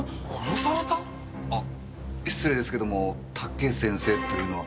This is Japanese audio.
あっ失礼ですけども武先生ってのは？